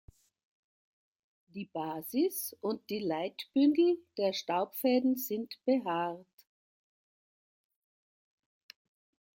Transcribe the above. Die Basis und die Leitbündel der Staubfäden sind behaart.